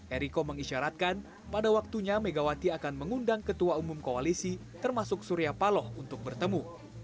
eriko mengisyaratkan pada waktunya megawati akan mengundang ketua umum koalisi termasuk surya paloh untuk bertemu